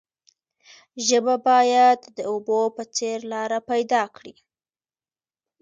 ژبه باید د اوبو په څیر لاره پیدا کړي.